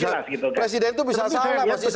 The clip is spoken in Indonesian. memang presiden itu bisa salah